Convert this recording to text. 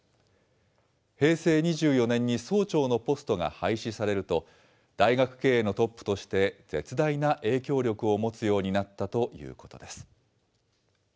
平成２４年に総長のポストが廃止されると、大学経営のトップとして、絶大な影響力を持つようになったということです。